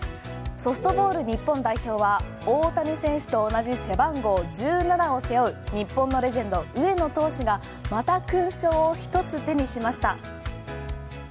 ソフトボール日本代表は大谷選手と同じ背番号１７を背負う、日本のレジェンド、上野投手がまた一つ手にしました。